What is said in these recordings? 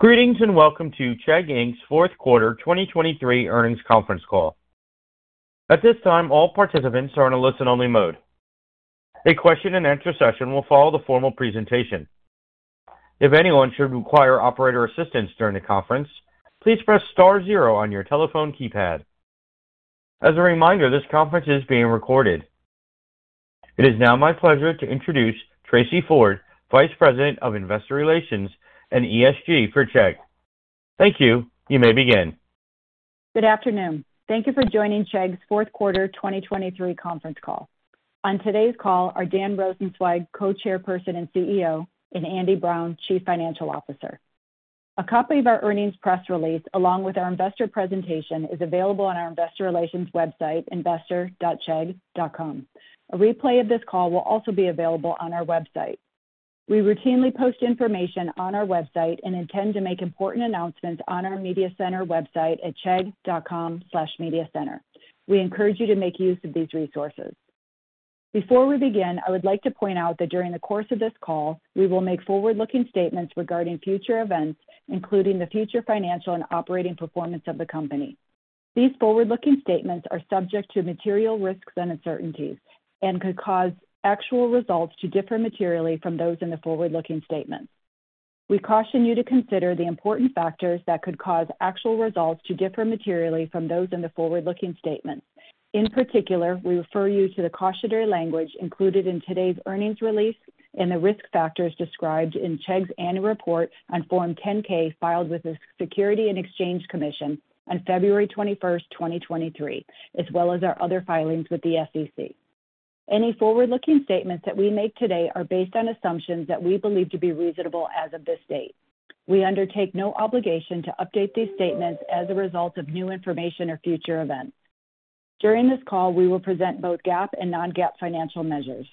Greetings, and welcome to Chegg Inc.'s fourth quarter 2023 earnings conference call. At this time, all participants are in a listen-only mode. A question-and-answer session will follow the formal presentation. If anyone should require operator assistance during the conference, please press star zero on your telephone keypad. As a reminder, this conference is being recorded. It is now my pleasure to introduce Tracey Ford, Vice President of Investor Relations and ESG for Chegg. Thank you. You may begin. Good afternoon. Thank you for joining Chegg's fourth quarter 2023 conference call. On today's call are Dan Rosensweig, Co-Chairperson and CEO, and Andy Brown, Chief Financial Officer. A copy of our earnings press release, along with our investor presentation, is available on our investor relations website, investor.chegg.com. A replay of this call will also be available on our website. We routinely post information on our website and intend to make important announcements on our media center website at chegg.com/mediacenter. We encourage you to make use of these resources. Before we begin, I would like to point out that during the course of this call, we will make forward-looking statements regarding future events, including the future financial and operating performance of the company. These forward-looking statements are subject to material risks and uncertainties and could cause actual results to differ materially from those in the forward-looking statements. We caution you to consider the important factors that could cause actual results to differ materially from those in the forward-looking statements. In particular, we refer you to the cautionary language included in today's earnings release and the risk factors described in Chegg's annual report on Form 10-K, filed with the Securities and Exchange Commission on February 21st, 2023, as well as our other filings with the SEC. Any forward-looking statements that we make today are based on assumptions that we believe to be reasonable as of this date. We undertake no obligation to update these statements as a result of new information or future events. During this call, we will present both GAAP and non-GAAP financial measures.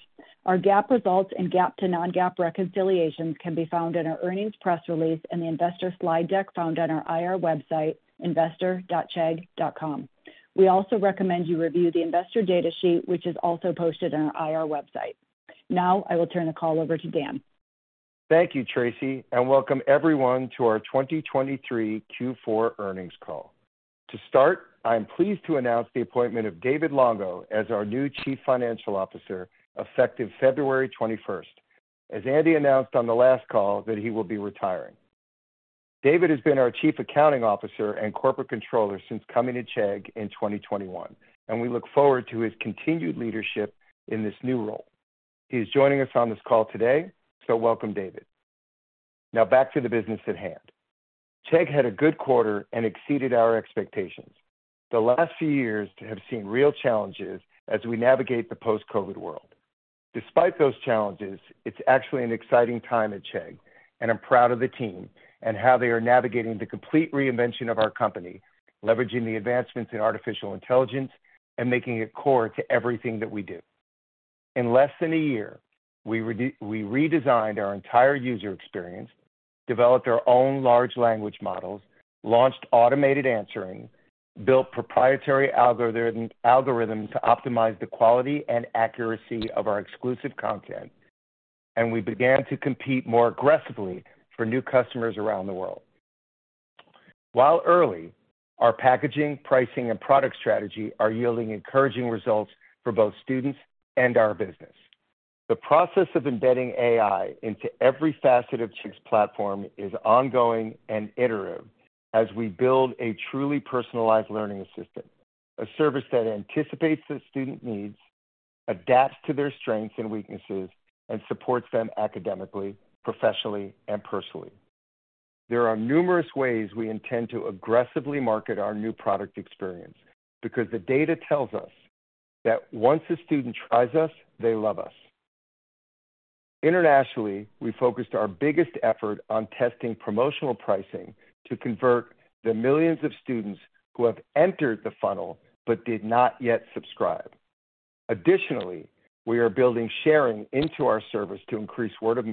Our GAAP results and GAAP to non-GAAP reconciliations can be found in our earnings press release, and the investor slide deck found on our IR website, investor.chegg.com. We also recommend you review the investor data sheet, which is also posted on our IR website. Now, I will turn the call over to Dan. Thank you, Tracey, and welcome everyone to our 2023 Q4 earnings call. To start, I am pleased to announce the appointment of David Longo as our new Chief Financial Officer, effective February twenty-first, as Andy announced on the last call that he will be retiring. David has been our Chief Accounting Officer and Corporate Controller since coming to Chegg in 2021, and we look forward to his continued leadership in this new role. He is joining us on this call today, so welcome, David. Now back to the business at hand. Chegg had a good quarter and exceeded our expectations. The last few years have seen real challenges as we navigate the post-COVID world. Despite those challenges, it's actually an exciting time at Chegg, and I'm proud of the team and how they are navigating the complete reinvention of our company, leveraging the advancements in artificial intelligence and making it core to everything that we do. In less than a year, we redesigned our entire user experience, developed our own large language models, launched automated answering, built proprietary algorithm, algorithms to optimize the quality and accuracy of our exclusive content, and we began to compete more aggressively for new customers around the world. While early, our packaging, pricing, and product strategy are yielding encouraging results for both students and our business. The process of embedding AI into every facet of Chegg's platform is ongoing and iterative as we build a truly personalized learning assistant, a service that anticipates the student needs, adapts to their strengths and weaknesses, and supports them academically, professionally, and personally. There are numerous ways we intend to aggressively market our new product experience, because the data tells us that once a student tries us, they love us. Internationally, we focused our biggest effort on testing promotional pricing to convert the millions of students who have entered the funnel but did not yet subscribe. Additionally, we are building sharing into our service to increase word of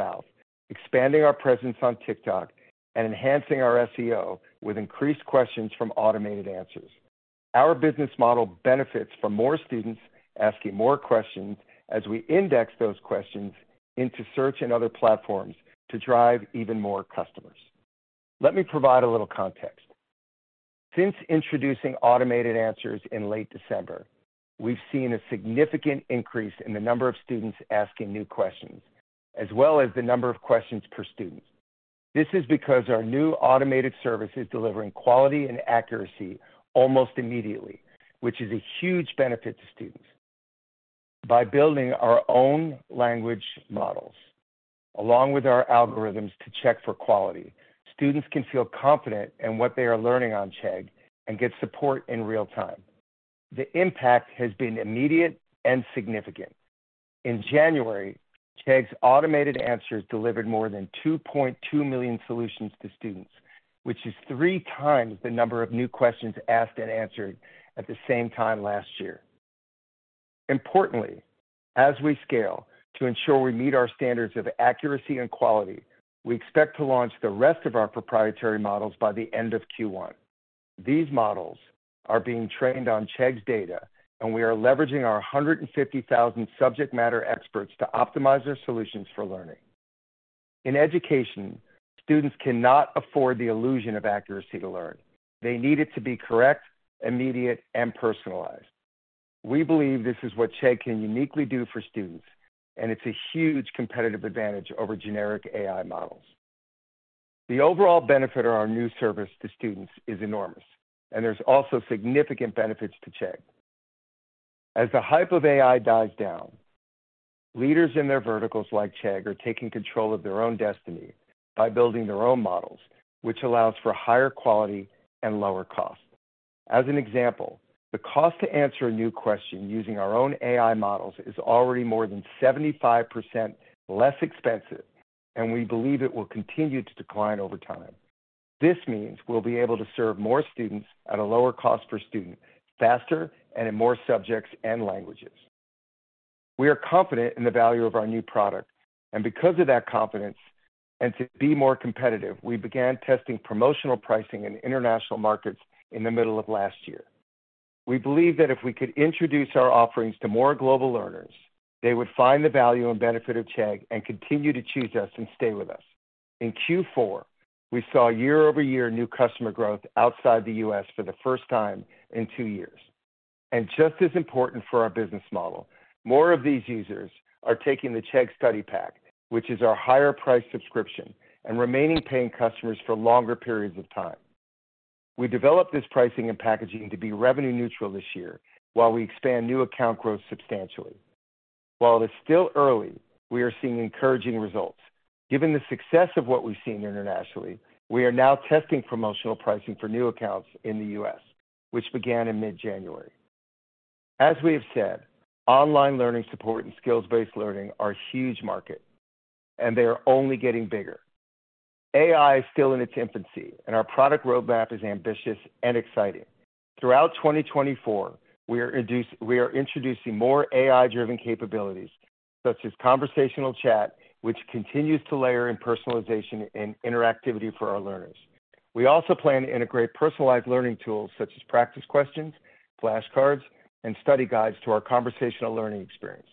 mouth, expanding our presence on TikTok, and enhancing our SEO with increased questions from automated answers. Our business model benefits from more students asking more questions as we index those questions into search and other platforms to drive even more customers. Let me provide a little context. Since introducing automated answers in late December, we've seen a significant increase in the number of students asking new questions, as well as the number of questions per student. This is because our new automated service is delivering quality and accuracy almost immediately, which is a huge benefit to students. By building our own language models, along with our algorithms to check for quality, students can feel confident in what they are learning on Chegg and get support in real time. The impact has been immediate and significant. In January, Chegg's automated answers delivered more than 2.2 million solutions to students, which is three times the number of new questions asked and answered at the same time last year. Importantly, as we scale to ensure we meet our standards of accuracy and quality, we expect to launch the rest of our proprietary models by the end of Q1. These models are being trained on Chegg's data, and we are leveraging our 150,000 subject matter experts to optimize their solutions for learning. In education, students cannot afford the illusion of accuracy to learn. They need it to be correct, immediate, and personalized. We believe this is what Chegg can uniquely do for students, and it's a huge competitive advantage over generic AI models. The overall benefit of our new service to students is enormous, and there's also significant benefits to Chegg. As the hype of AI dies down, leaders in their verticals, like Chegg, are taking control of their own destiny by building their own models, which allows for higher quality and lower cost. As an example, the cost to answer a new question using our own AI models is already more than 75% less expensive, and we believe it will continue to decline over time. This means we'll be able to serve more students at a lower cost per student, faster, and in more subjects and languages. We are confident in the value of our new product, and because of that confidence, and to be more competitive, we began testing promotional pricing in international markets in the middle of last year. We believe that if we could introduce our offerings to more global learners, they would find the value and benefit of Chegg and continue to choose us and stay with us. In Q4, we saw year-over-year new customer growth outside the U.S. for the first time in two years. Just as important for our business model, more of these users are taking the Chegg Study Pack, which is our higher price subscription, and remaining paying customers for longer periods of time. We developed this pricing and packaging to be revenue neutral this year while we expand new account growth substantially. While it's still early, we are seeing encouraging results. Given the success of what we've seen internationally, we are now testing promotional pricing for new accounts in the U.S., which began in mid-January. As we have said, online learning support and skills-based learning are a huge market, and they are only getting bigger. AI is still in its infancy, and our product roadmap is ambitious and exciting. Throughout 2024, we are introducing more AI-driven capabilities, such as conversational chat, which continues to layer in personalization and interactivity for our learners. We also plan to integrate personalized learning tools such as practice questions, flashcards, and study guides to our conversational learning experience.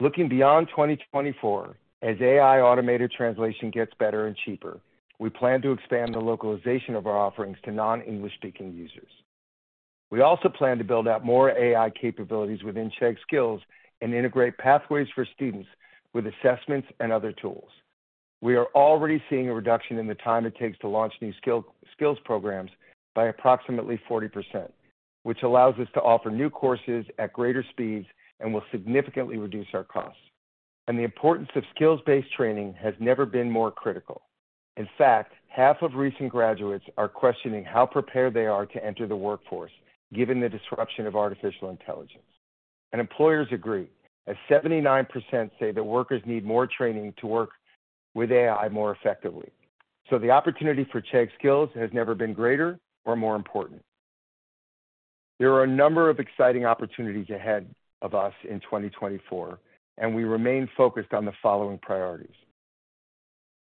Looking beyond 2024, as AI automated translation gets better and cheaper, we plan to expand the localization of our offerings to non-English speaking users. We also plan to build out more AI capabilities within Chegg Skills and integrate pathways for students with assessments and other tools. We are already seeing a reduction in the time it takes to launch new skills programs by approximately 40%, which allows us to offer new courses at greater speeds and will significantly reduce our costs. And the importance of skills-based training has never been more critical. In fact, half of recent graduates are questioning how prepared they are to enter the workforce, given the disruption of artificial intelligence. Employers agree, as 79% say that workers need more training to work with AI more effectively. The opportunity for Chegg Skills has never been greater or more important. There are a number of exciting opportunities ahead of us in 2024, and we remain focused on the following priorities: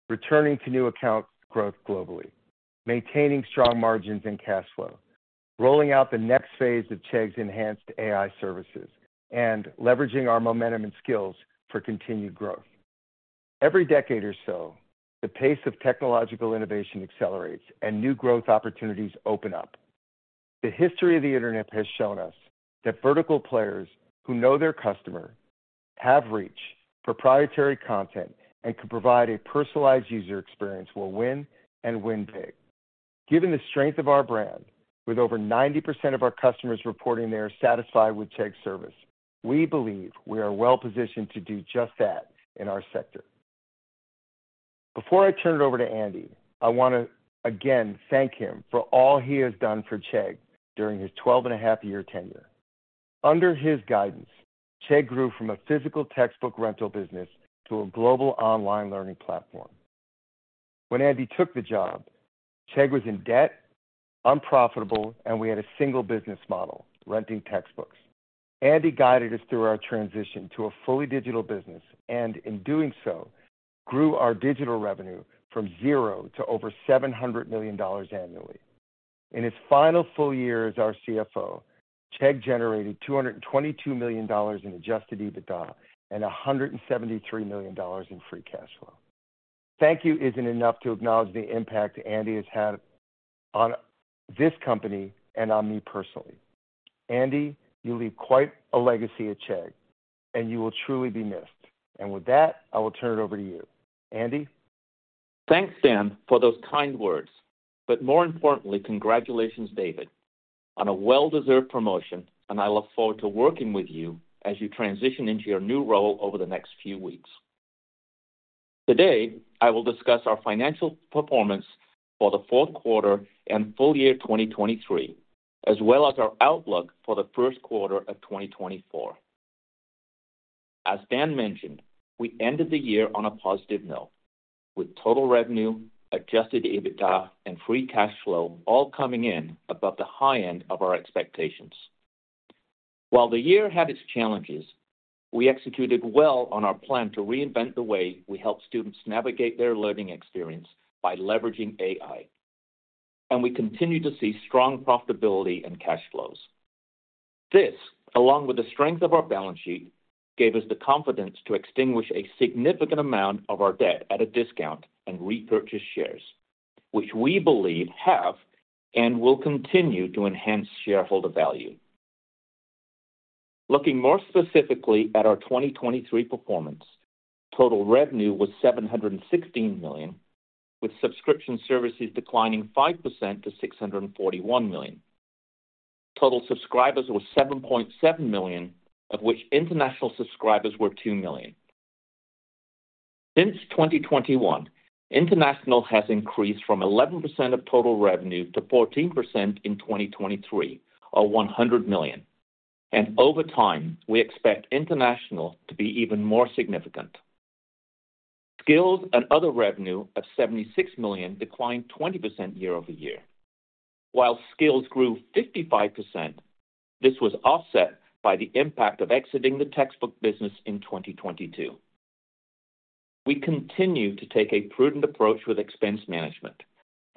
Returning to new account growth globally, maintaining strong margins and cash flow, rolling out the next phase of Chegg's enhanced AI services, and leveraging our momentum and skills for continued growth. Every decade or so, the pace of technological innovation accelerates and new growth opportunities open up. The history of the internet has shown us that vertical players who know their customer, have reach, proprietary content, and can provide a personalized user experience will win and win big. Given the strength of our brand, with over 90% of our customers reporting they are satisfied with Chegg's service, we believe we are well positioned to do just that in our sector. Before I turn it over to Andy, I want to again thank him for all he has done for Chegg during his 12.5-year tenure. Under his guidance, Chegg grew from a physical textbook rental business to a global online learning platform. When Andy took the job, Chegg was in debt, unprofitable, and we had a single business model, renting textbooks. Andy guided us through our transition to a fully digital business, and in doing so, grew our digital revenue from zero to over $700 million annually. In his final full year as our CFO, Chegg generated $222 million in adjusted EBITDA and $173 million in free cash flow. Thank you isn't enough to acknowledge the impact Andy has had on this company and on me personally. Andy, you leave quite a legacy at Chegg, and you will truly be missed. And with that, I will turn it over to you. Andy? Thanks, Dan, for those kind words, but more importantly, congratulations, David, on a well-deserved promotion, and I look forward to working with you as you transition into your new role over the next few weeks. Today, I will discuss our financial performance for the fourth quarter and full year 2023, as well as our outlook for the first quarter of 2024. As Dan mentioned, we ended the year on a positive note, with total revenue, adjusted EBITDA, and free cash flow all coming in above the high end of our expectations. While the year had its challenges, we executed well on our plan to reinvent the way we help students navigate their learning experience by leveraging AI, and we continue to see strong profitability and cash flows. This, along with the strength of our balance sheet, gave us the confidence to extinguish a significant amount of our debt at a discount and repurchase shares, which we believe have and will continue to enhance shareholder value. Looking more specifically at our 2023 performance, total revenue was $716 million, with subscription services declining 5% to $641 million. Total subscribers were 7.7 million, of which international subscribers were 2 million. Since 2021, international has increased from 11% of total revenue to 14% in 2023, or $100 million. And over time, we expect international to be even more significant. Skills and other revenue of $76 million declined 20% year-over-year. While skills grew 55%, this was offset by the impact of exiting the textbook business in 2022. We continue to take a prudent approach with expense management,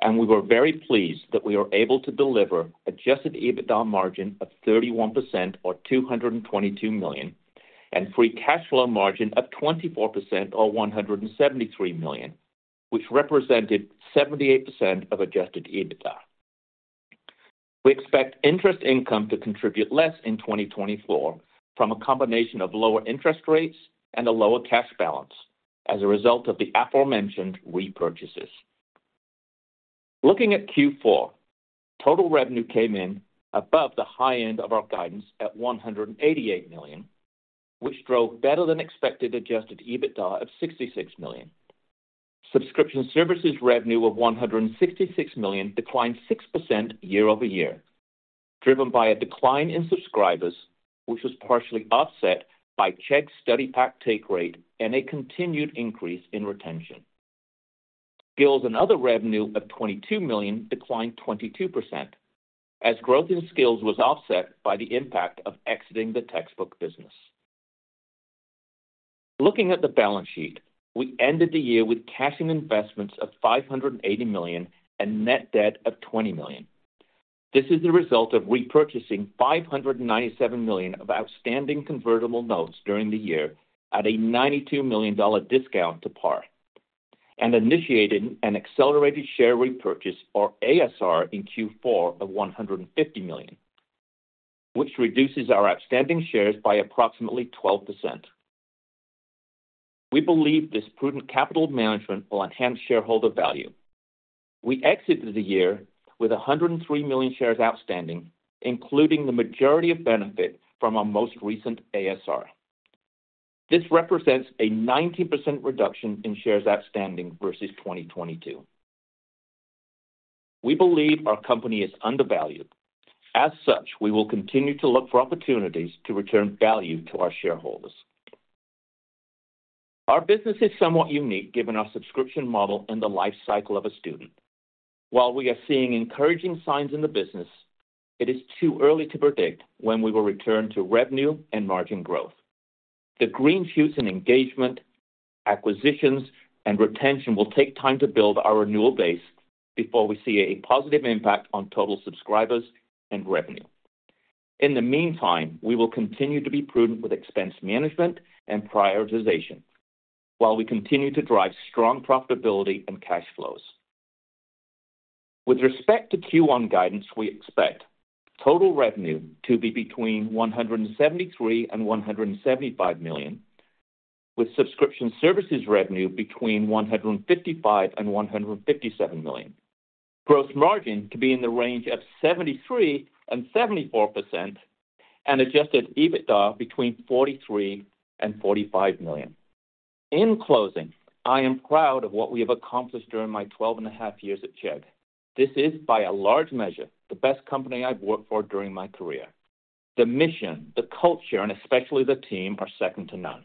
and we were very pleased that we were able to deliver adjusted EBITDA margin of 31% or $222 million, and free cash flow margin of 24% or $173 million, which represented 78% of adjusted EBITDA. We expect interest income to contribute less in 2024 from a combination of lower interest rates and a lower cash balance as a result of the aforementioned repurchases. Looking at Q4, total revenue came in above the high end of our guidance at $188 million, which drove better-than-expected adjusted EBITDA of $66 million. Subscription services revenue of $166 million declined 6% year-over-year, driven by a decline in subscribers, which was partially offset by Chegg Study Pack take rate and a continued increase in retention. Skills and other revenue of $22 million declined 22%, as growth in skills was offset by the impact of exiting the textbook business. Looking at the balance sheet, we ended the year with cash and investments of $580 million and net debt of $20 million. This is the result of repurchasing $597 million of outstanding convertible notes during the year at a $92 million discount to par, and initiating an accelerated share repurchase, or ASR, in Q4 of $150 million, which reduces our outstanding shares by approximately 12%. We believe this prudent capital management will enhance shareholder value. We exited the year with 103 million shares outstanding, including the majority of benefit from our most recent ASR. This represents a 90% reduction in shares outstanding versus 2022. We believe our company is undervalued. As such, we will continue to look for opportunities to return value to our shareholders. Our business is somewhat unique, given our subscription model and the life cycle of a student. While we are seeing encouraging signs in the business, it is too early to predict when we will return to revenue and margin growth. The green shoots in engagement, acquisitions, and retention will take time to build our renewal base before we see a positive impact on total subscribers and revenue. In the meantime, we will continue to be prudent with expense management and prioritization while we continue to drive strong profitability and cash flows. With respect to Q1 guidance, we expect total revenue to be between $173 million and $175 million, with subscription services revenue between $155 million and $157 million. Gross margin to be in the range of 73%-74%, and adjusted EBITDA between $43 million and $45 million. In closing, I am proud of what we have accomplished during my 12.5 years at Chegg. This is, by a large measure, the best company I've worked for during my career. The mission, the culture, and especially the team, are second to none,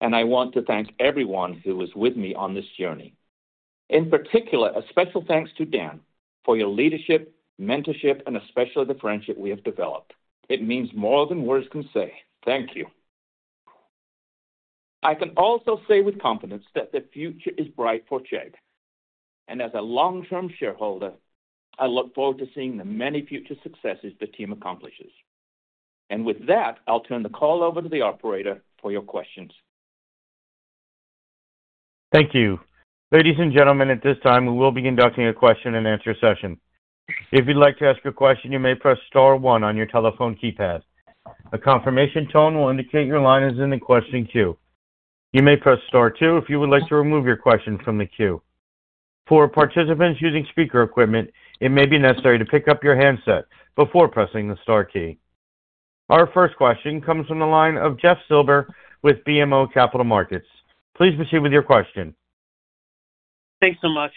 and I want to thank everyone who was with me on this journey. In particular, a special thanks to Dan for your leadership, mentorship, and especially the friendship we have developed. It means more than words can say. Thank you. I can also say with confidence that the future is bright for Chegg, and as a long-term shareholder, I look forward to seeing the many future successes the team accomplishes. And with that, I'll turn the call over to the operator for your questions. Thank you. Ladies and gentlemen, at this time, we will be conducting a question-and-answer session. If you'd like to ask a question, you may press star one on your telephone keypad. A confirmation tone will indicate your line is in the questioning queue. You may press star two if you would like to remove your question from the queue. For participants using speaker equipment, it may be necessary to pick up your handset before pressing the star key. Our first question comes from the line of Jeff Silber with BMO Capital Markets. Please proceed with your question. Thanks so much.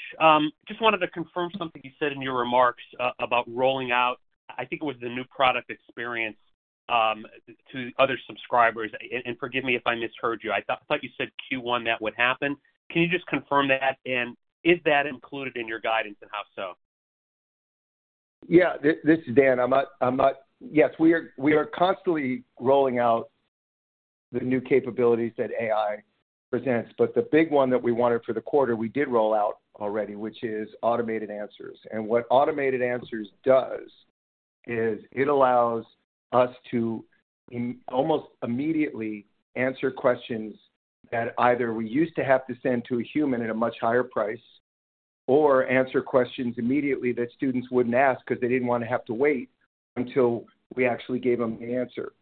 Just wanted to confirm something you said in your remarks about rolling out, I think it was the new product experience, to other subscribers. And forgive me if I misheard you. I thought you said Q1, that would happen. Can you just confirm that? And is that included in your guidance, and how so? Yeah, this is Dan. I'm not—yes, we are constantly rolling out the new capabilities that AI presents, but the big one that we wanted for the quarter, we did roll out already, which is automated answers. And what automated answers does is it allows us to almost immediately answer questions that either we used to have to send to a human at a much higher price, or answer questions immediately that students wouldn't ask because they didn't want to have to wait until we actually gave them the answer.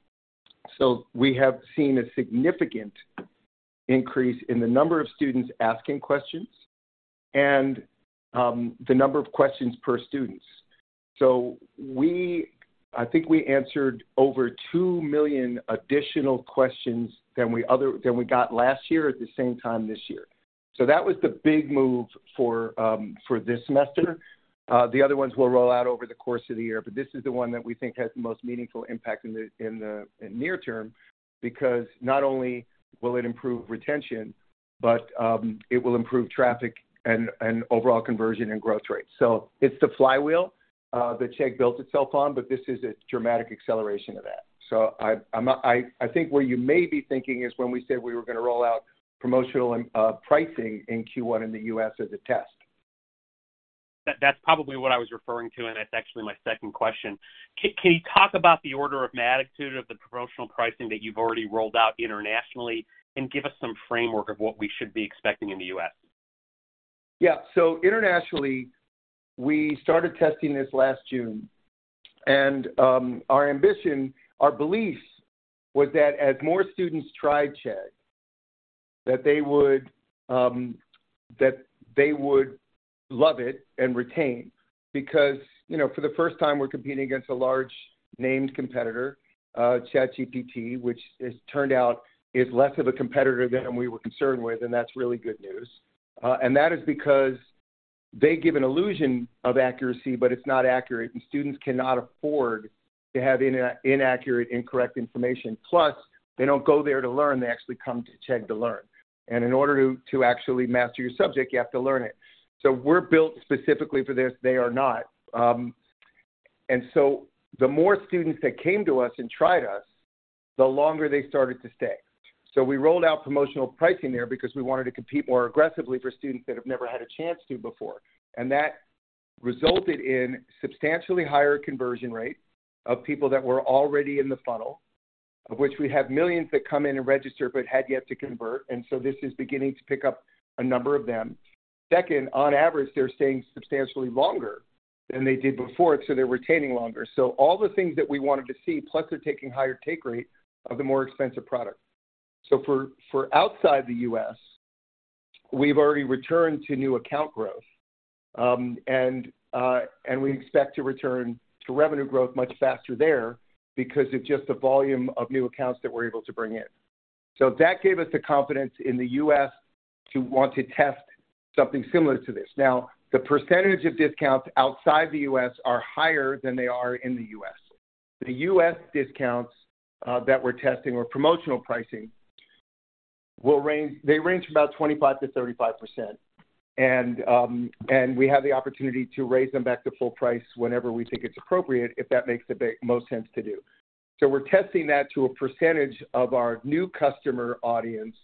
So we have seen a significant increase in the number of students asking questions and the number of questions per student. So I think we answered over 2 million additional questions than we got last year at the same time this year. So that was the big move for this semester. The other ones will roll out over the course of the year, but this is the one that we think has the most meaningful impact in the near term, because not only will it improve retention, but it will improve traffic and overall conversion and growth rate. So it's the flywheel that Chegg built itself on, but this is a dramatic acceleration of that. So I think where you may be thinking is when we said we were gonna roll out promotional and pricing in Q1 in the U.S. as a test. That's probably what I was referring to, and that's actually my second question. Can you talk about the order of magnitude of the promotional pricing that you've already rolled out internationally, and give us some framework of what we should be expecting in the U.S.? Yeah. Internationally, we started testing this last June, and our ambition, our belief was that as more students tried Chegg, that they would love it and retain. Because, you know, for the first time, we're competing against a large named competitor, ChatGPT, which has turned out to be less of a competitor than we were concerned with, and that's really good news. That is because they give an illusion of accuracy, but it's not accurate, and students cannot afford to have inaccurate, incorrect information. Plus, they don't go there to learn; they actually come to Chegg to learn. In order to actually master your subject, you have to learn it. We're built specifically for this; they are not. The more students that came to us and tried us, the longer they started to stay. So we rolled out promotional pricing there because we wanted to compete more aggressively for students that have never had a chance to before. That resulted in substantially higher conversion rate of people that were already in the funnel, of which we have millions that come in and register but had yet to convert. So this is beginning to pick up a number of them. Second, on average, they're staying substantially longer than they did before, so they're retaining longer. So all the things that we wanted to see, plus they're taking higher take rate of the more expensive product. So for outside the U.S., we've already returned to new account growth. And we expect to return to revenue growth much faster there because of just the volume of new accounts that we're able to bring in. So that gave us the confidence in the U.S. to want to test something similar to this. Now, the percentage of discounts outside the U.S. are higher than they are in the U.S. The U.S. discounts, that we're testing or promotional pricing, they range from about 25%-35%. And, and we have the opportunity to raise them back to full price whenever we think it's appropriate, if that makes the most sense to do. So we're testing that to a percentage of our new customer audience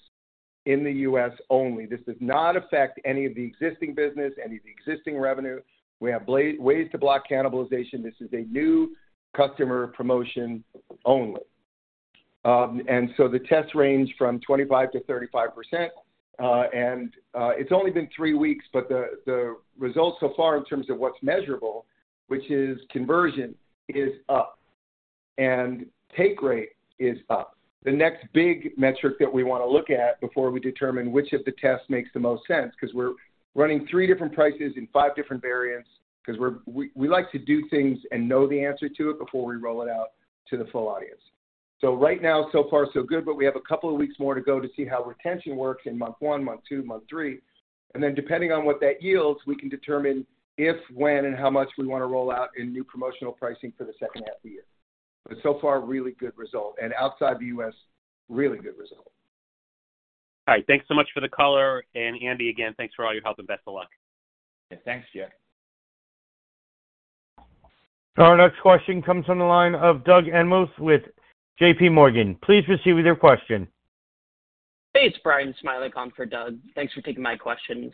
in the U.S. only. This does not affect any of the existing business, any of the existing revenue. We have ways to block cannibalization. This is a new customer promotion only. And so the tests range from 25%-35%, and it's only been 3 weeks, but the results so far in terms of what's measurable, which is conversion, is up, and take rate is up. The next big metric that we want to look at before we determine which of the tests makes the most sense, because we're running 3 different prices in 5 different variants, because we like to do things and know the answer to it before we roll it out to the full audience. So right now, so far, so good, but we have a couple of weeks more to go to see how retention works in month 1, month 2, month 3. And then, depending on what that yields, we can determine if, when, and how much we want to roll out in new promotional pricing for the second half of the year. But so far, really good result, and outside the U.S., really good result. All right. Thanks so much for the color. Andy, again, thanks for all your help and best of luck. Yeah, thanks, Jeff. Our next question comes from the line of Doug Anmuth with J.P. Morgan. Please proceed with your question. Hey, it's Bryan Smilek on for Doug. Thanks for taking my questions.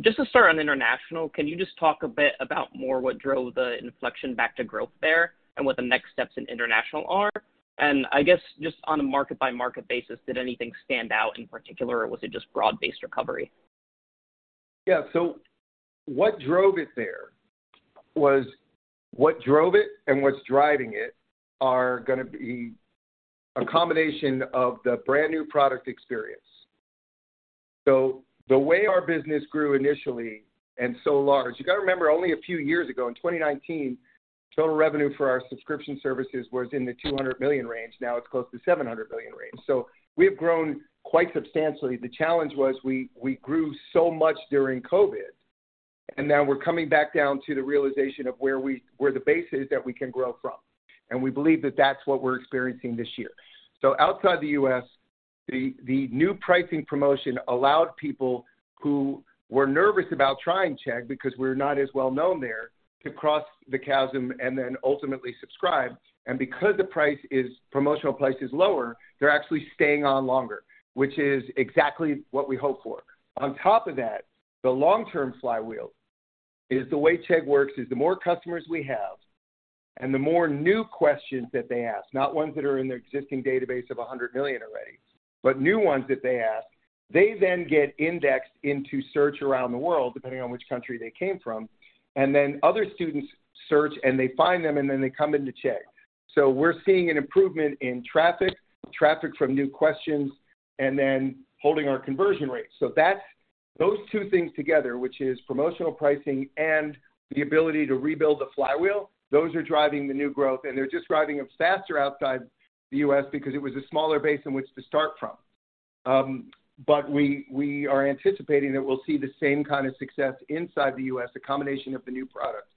Just to start on international, can you just talk a bit about more what drove the inflection back to growth there and what the next steps in international are? I guess just on a market-by-market basis, did anything stand out in particular, or was it just broad-based recovery? Yeah. So what drove it there was, what drove it and what's driving it are gonna be a combination of the brand new product experience. So the way our business grew initially and so large. You got to remember, only a few years ago, in 2019, total revenue for our subscription services was in the $200 million range. Now it's close to $700 million range. So we have grown quite substantially. The challenge was we, we grew so much during COVID, and now we're coming back down to the realization of where we, where the base is that we can grow from. And we believe that that's what we're experiencing this year. So outside the U.S., the new pricing promotion allowed people who were nervous about trying Chegg because we're not as well known there, to cross the chasm and then ultimately subscribe. Because the promotional price is lower, they're actually staying on longer, which is exactly what we hope for. On top of that, the long-term flywheel is the way Chegg works: the more customers we have and the more new questions that they ask, not ones that are in their existing database of 100 million already, but new ones that they ask. They then get indexed into search around the world, depending on which country they came from, and then other students search, and they find them, and then they come into Chegg. So we're seeing an improvement in traffic, traffic from new questions, and then holding our conversion rate. So that's those two things together, which is promotional pricing and the ability to rebuild the flywheel, those are driving the new growth, and they're just driving them faster outside the U.S. because it was a smaller base in which to start from. But we are anticipating that we'll see the same kind of success inside the U.S., a combination of the new products.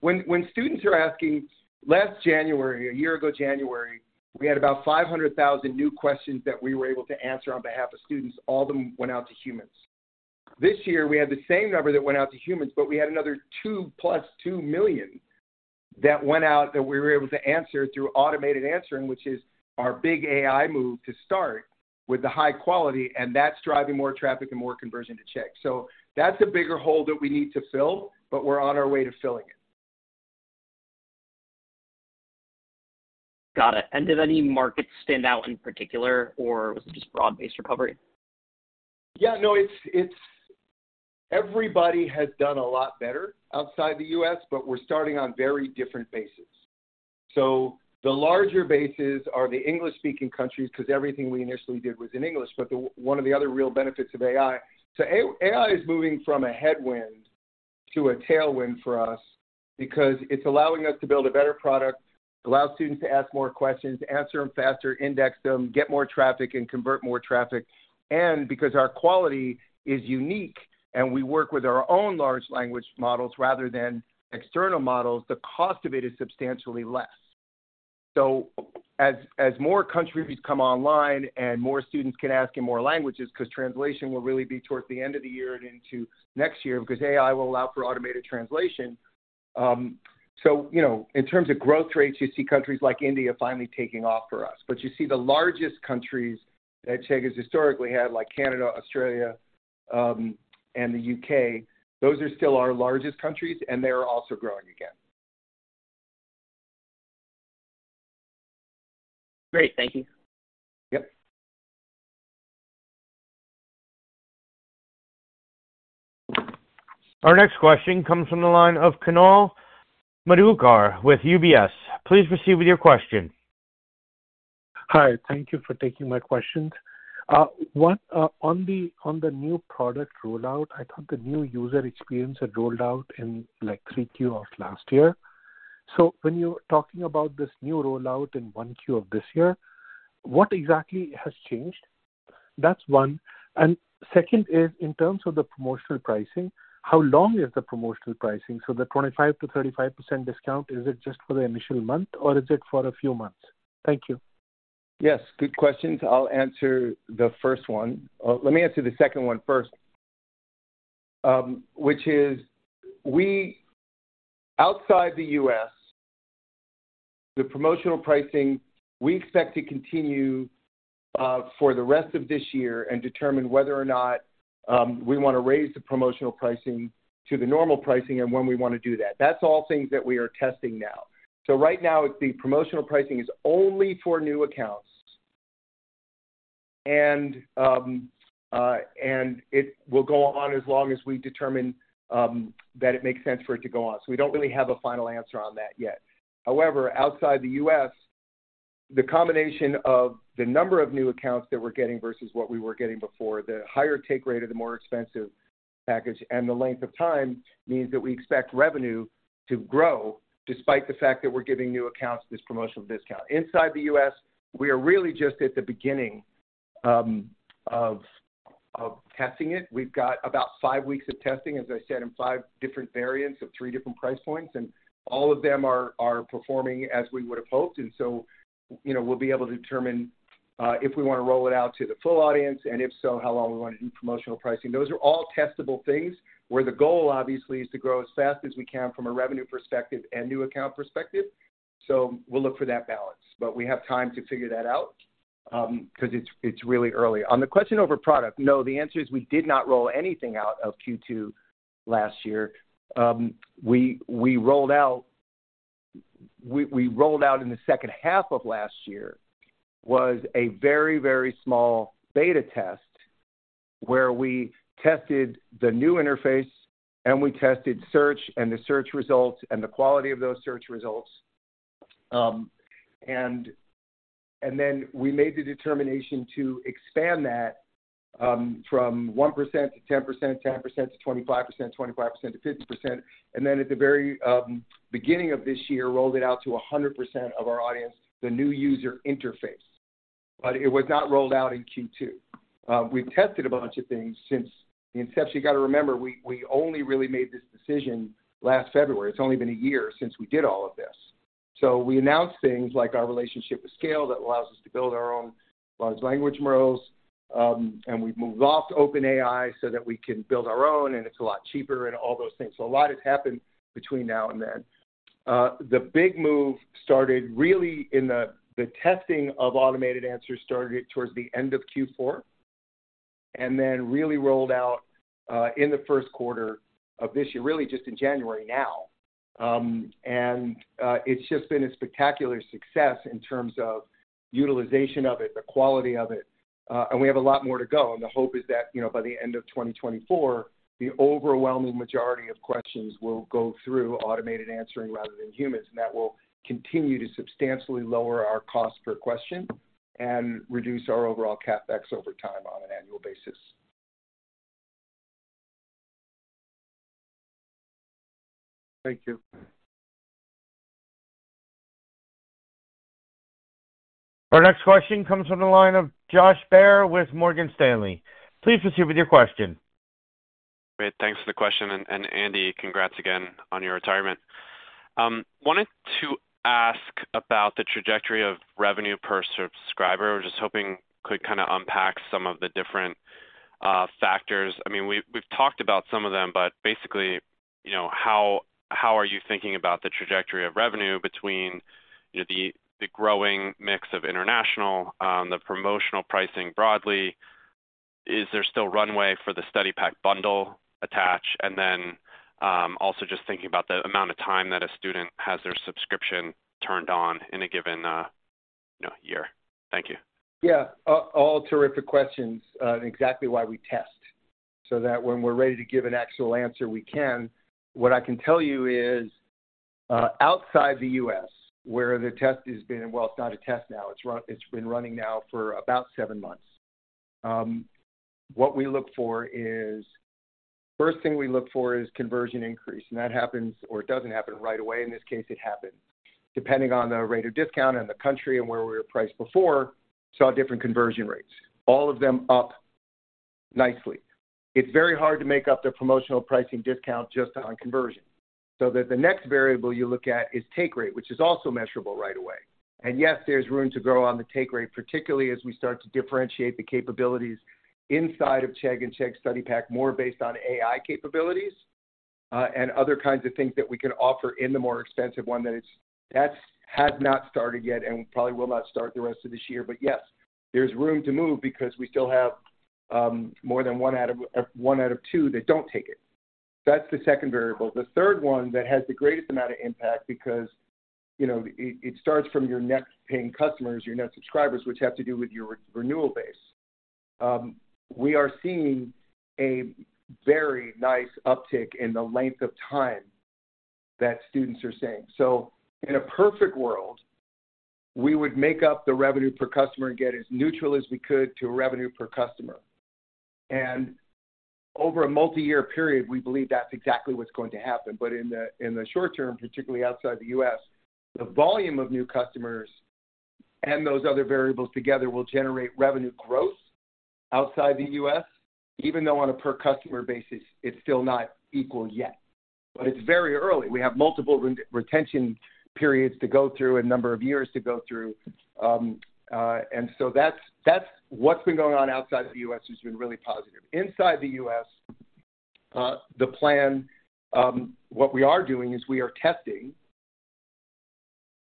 When students are asking, last January, a year ago, January, we had about 500,000 new questions that we were able to answer on behalf of students. All of them went out to humans. This year, we had the same number that went out to humans, but we had another 2 + 2 million that went out that we were able to answer through automated answering, which is our big AI move to start with the high quality, and that's driving more traffic and more conversion to Chegg. So that's a bigger hole that we need to fill, but we're on our way to filling it. Got it. Did any markets stand out in particular, or was it just broad-based recovery? Yeah, no, it's everybody has done a lot better outside the U.S., but we're starting on very different bases. So the larger bases are the English-speaking countries, because everything we initially did was in English, but one of the other real benefits of AI. So AI, AI is moving from a headwind to a tailwind for us because it's allowing us to build a better product, allows students to ask more questions, answer them faster, index them, get more traffic, and convert more traffic. And because our quality is unique and we work with our own large language models rather than external models, the cost of it is substantially less. So as more countries come online and more students can ask in more languages, because translation will really be towards the end of the year and into next year, because AI will allow for automated translation. So, you know, in terms of growth rates, you see countries like India finally taking off for us. But you see the largest countries that Chegg has historically had, like Canada, Australia, and the U.K., those are still our largest countries, and they are also growing again. Great. Thank you. Yep. Our next question comes from the line of Kunal Madhukar with UBS. Please proceed with your question. Hi, thank you for taking my questions. One, on the new product rollout, I thought the new user experience had rolled out in, like, Q3 of last year. So when you're talking about this new rollout in 1Q of this year, what exactly has changed? That's one. And second is, in terms of the promotional pricing, how long is the promotional pricing? So the 25%-35% discount, is it just for the initial month, or is it for a few months? Thank you. Yes, good questions. I'll answer the first one. Let me answer the second one first. Which is outside the U.S., the promotional pricing, we expect to continue for the rest of this year and determine whether or not we want to raise the promotional pricing to the normal pricing and when we want to do that. That's all things that we are testing now. So right now, the promotional pricing is only for new accounts. And it will go on as long as we determine that it makes sense for it to go on. So we don't really have a final answer on that yet. However, outside the U.S., the combination of the number of new accounts that we're getting versus what we were getting before, the higher take rate of the more expensive package and the length of time, means that we expect revenue to grow despite the fact that we're giving new accounts this promotional discount. Inside the U.S., we are really just at the beginning of testing it. We've got about 5 weeks of testing, as I said, in 5 different variants of 3 different price points, and all of them are performing as we would have hoped. And so, you know, we'll be able to determine if we want to roll it out to the full audience, and if so, how long we want to do promotional pricing. Those are all testable things, where the goal, obviously, is to grow as fast as we can from a revenue perspective and new account perspective. So we'll look for that balance, but we have time to figure that out, because it's really early. On the question over product, no, the answer is we did not roll anything out of Q2 last year. We rolled out in the second half of last year, was a very, very small beta test where we tested the new interface, and we tested search and the search results and the quality of those search results. Then we made the determination to expand that from 1% to 10%, 10% to 25%, 25% to 50%, and then at the very beginning of this year, rolled it out to 100% of our audience, the new user interface. But it was not rolled out in Q2. We've tested a bunch of things since the inception. You got to remember, we only really made this decision last February. It's only been a year since we did all of this. So we announced things like our relationship with Scale, that allows us to build our own large language models. And we've moved off of OpenAI so that we can build our own, and it's a lot cheaper and all those things. So a lot has happened between now and then. The big move started really in the testing of automated answers started towards the end of Q4, and then really rolled out in the first quarter of this year, really just in January now. It's just been a spectacular success in terms of utilization of it, the quality of it, and we have a lot more to go. The hope is that, you know, by the end of 2024, the overwhelming majority of questions will go through automated answering rather than humans, and that will continue to substantially lower our cost per question and reduce our overall CapEx over time on an annual basis. Thank you. Our next question comes from the line of Josh Baer with Morgan Stanley. Please proceed with your question. Great. Thanks for the question, and Andy, congrats again on your retirement. Wanted to ask about the trajectory of revenue per subscriber. I was just hoping you could kinda unpack some of the different factors. I mean, we've talked about some of them, but basically, you know, how are you thinking about the trajectory of revenue between, you know, the growing mix of international, the promotional pricing broadly? Is there still runway for the study pack bundle attach? And then, also just thinking about the amount of time that a student has their subscription turned on in a given, you know, year. Thank you. Yeah, all terrific questions, and exactly why we test, so that when we're ready to give an actual answer, we can. What I can tell you is, outside the U.S., where the test has been... Well, it's not a test now, it's run- it's been running now for about seven months. What we look for is, first thing we look for is conversion increase, and that happens or it doesn't happen right away. In this case, it happened. Depending on the rate of discount and the country and where we were priced before, saw different conversion rates, all of them up nicely. It's very hard to make up the promotional pricing discount just on conversion, so that the next variable you look at is take rate, which is also measurable right away. Yes, there's room to grow on the take rate, particularly as we start to differentiate the capabilities inside of Chegg and Chegg Study Pack, more based on AI capabilities, and other kinds of things that we can offer in the more expensive one that has not started yet, and probably will not start the rest of this year. But yes, there's room to move because we still have more than one out of two that don't take it. That's the second variable. The third one that has the greatest amount of impact, because, you know, it starts from your net paying customers, your net subscribers, which have to do with your renewal base. We are seeing a very nice uptick in the length of time that students are staying. So in a perfect world, we would make up the revenue per customer and get as neutral as we could to revenue per customer. And over a multi-year period, we believe that's exactly what's going to happen. But in the short term, particularly outside the U.S., the volume of new customers and those other variables together will generate revenue growth outside the U.S., even though on a per customer basis, it's still not equal yet. But it's very early. We have multiple retention periods to go through, a number of years to go through. And so that's what's been going on outside the U.S., has been really positive. Inside the U.S., the plan—what we are doing is we are testing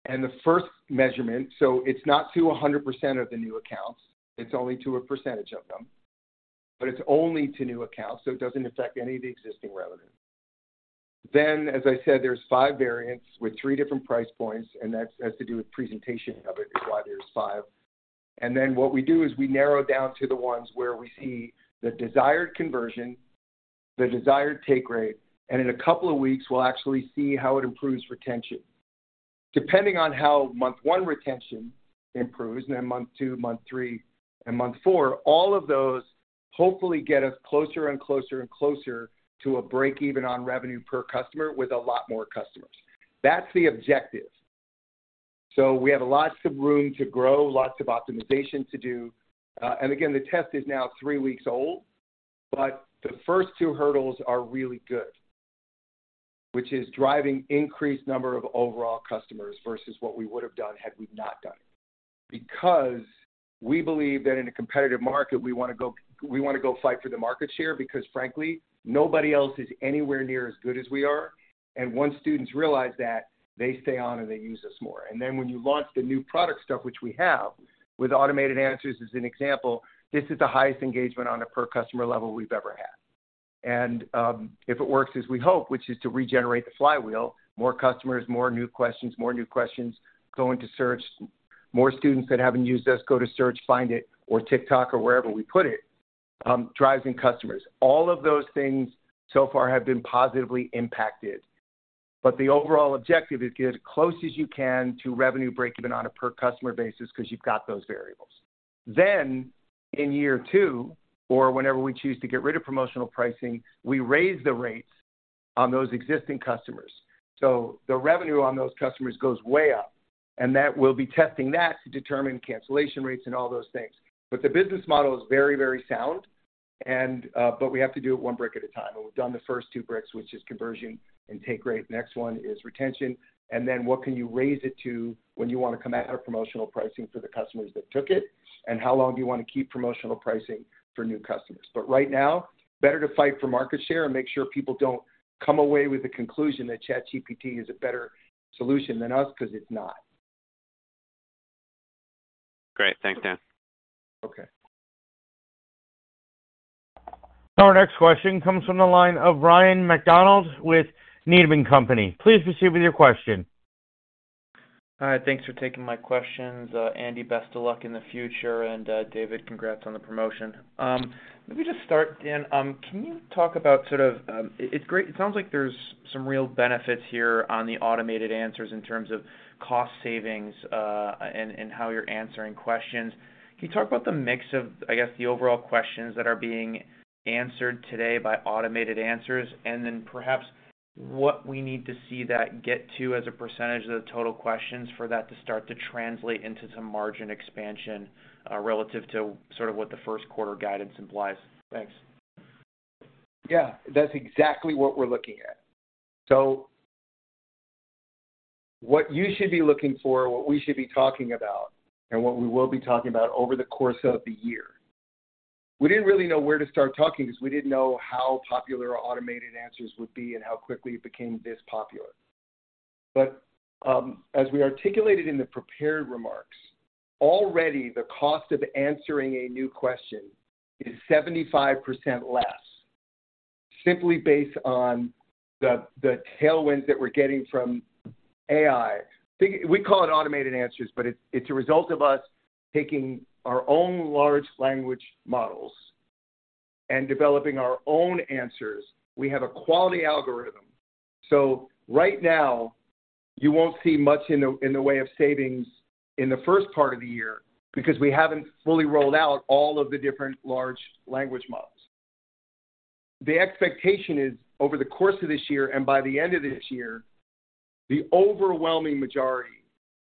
and the first measurement, so it's not to 100% of the new accounts, it's only to a percentage of them, but it's only to new accounts, so it doesn't affect any of the existing revenue. Then, as I said, there's five variants with three different price points, and that has to do with presentation of it, is why there's five. And then what we do is we narrow down to the ones where we see the desired conversion, the desired take rate, and in a couple of weeks, we'll actually see how it improves retention. Depending on how month one retention improves, and then month two, month three, and month four, all of those hopefully get us closer and closer and closer to a break-even on revenue per customer with a lot more customers. That's the objective. So we have lots of room to grow, lots of optimization to do, and again, the test is now three weeks old, but the first two hurdles are really good, which is driving increased number of overall customers versus what we would have done had we not done it. Because we believe that in a competitive market, we wanna go- we wanna go fight for the market share, because frankly, nobody else is anywhere near as good as we are. And once students realize that, they stay on and they use us more. And then when you launch the new product stuff, which we have, with automated answers, as an example, this is the highest engagement on a per customer level we've ever had. And, if it works as we hope, which is to regenerate the flywheel, more customers, more new questions, more new questions go into search. More students that haven't used us go to search, find it, or TikTok or wherever we put it, drives in customers. All of those things so far have been positively impacted, but the overall objective is get as close as you can to revenue break-even on a per customer basis because you've got those variables. Then in year two, or whenever we choose to get rid of promotional pricing, we raise the rates on those existing customers. So the revenue on those customers goes way up, and that, we'll be testing that to determine cancellation rates and all those things. But the business model is very, very sound, and, but we have to do it one brick at a time, and we've done the first two bricks, which is conversion and take rate. The next one is retention, and then what can you raise it to when you want to come out of promotional pricing for the customers that took it, and how long do you want to keep promotional pricing for new customers? But right now, better to fight for market share and make sure people don't come away with the conclusion that ChatGPT is a better solution than us, 'cause it's not. Great. Thanks, Dan. Okay. Our next question comes from the line of Ryan MacDonald with Needham & Company. Please proceed with your question. Hi, thanks for taking my questions. Andy, best of luck in the future, and, David, congrats on the promotion. Let me just start, Dan. Can you talk about sort of, it sounds like there's some real benefits here on the automated answers in terms of cost savings, and, and how you're answering questions. Can you talk about the mix of, I guess, the overall questions that are being answered today by automated answers, and then perhaps what we need to see that get to as a percentage of the total questions for that to start to translate into some margin expansion, relative to sort of what the first quarter guidance implies? Thanks. Yeah, that's exactly what we're looking at. So what you should be looking for, what we should be talking about, and what we will be talking about over the course of the year, we didn't really know where to start talking because we didn't know how popular our automated answers would be and how quickly it became this popular. But, as we articulated in the prepared remarks, already the cost of answering a new question is 75% less, simply based on the, the tailwinds that we're getting from AI. We call it automated answers, but it's, it's a result of us taking our own large language models and developing our own answers. We have a quality algorithm, so right now, you won't see much in the way of savings in the first part of the year because we haven't fully rolled out all of the different large language models. The expectation is, over the course of this year and by the end of this year, the overwhelming majority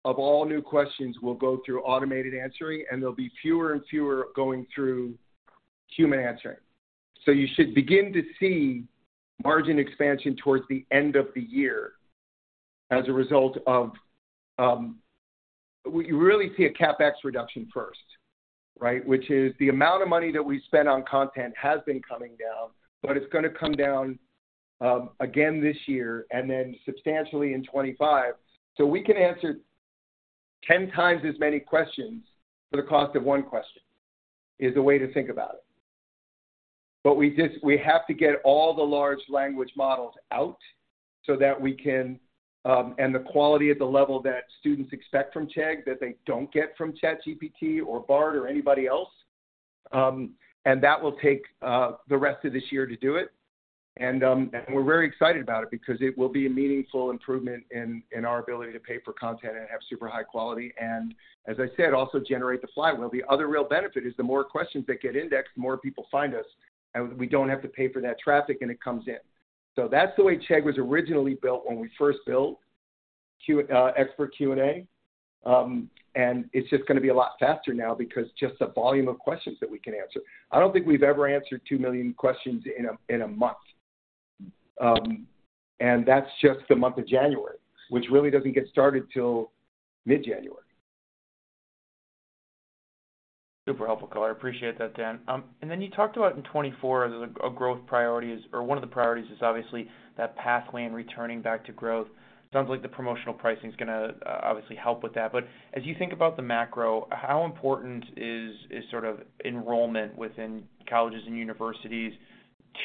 of all new questions will go through automated answering, and there'll be fewer and fewer going through human answering. So you should begin to see margin expansion towards the end of the year as a result of... Well, you really see a CapEx reduction first, right? Which is the amount of money that we spent on content has been coming down, but it's gonna come down again this year and then substantially in 2025. So we can answer 10 times as many questions for the cost of 1 question, is a way to think about it. But we have to get all the large language models out so that we can, and the quality at the level that students expect from Chegg, that they don't get from ChatGPT or Bard or anybody else, and that will take the rest of this year to do it. And we're very excited about it because it will be a meaningful improvement in our ability to pay for content and have super high quality and, as I said, also generate the flywheel. The other real benefit is the more questions that get indexed, the more people find us, and we don't have to pay for that traffic, and it comes in. So that's the way Chegg was originally built when we first built expert Q&A. And it's just gonna be a lot faster now because just the volume of questions that we can answer. I don't think we've ever answered 2 million questions in a month. And that's just the month of January, which really doesn't get started till mid-January. Super helpful, I appreciate that, Dan. And then you talked about in 2024, a growth priority is, or one of the priorities is obviously that platform returning back to growth. Sounds like the promotional pricing is gonna obviously help with that. But as you think about the macro, how important is sort of enrollment within colleges and universities